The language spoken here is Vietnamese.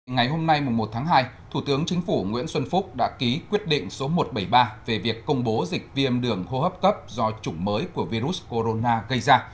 ngày hôm nay một tháng hai thủ tướng chính phủ nguyễn xuân phúc đã ký quyết định số một trăm bảy mươi ba về việc công bố dịch viêm đường hô hấp cấp do chủng mới của virus corona gây ra